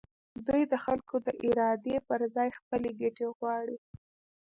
دوی د خلکو د ارادې پر ځای خپلې ګټې غواړي.